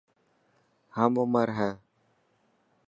هم عمر هي.